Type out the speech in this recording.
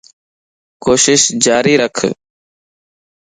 ڪوشش جاري رک